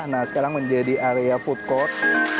nah sekarang menjadi area food court